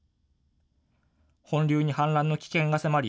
本流に氾濫の危険が迫り